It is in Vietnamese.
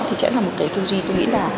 thì sẽ là một cái tư duy tôi nghĩ là